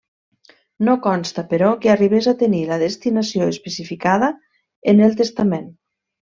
No consta però que arribés a tenir la destinació especificada en el testament.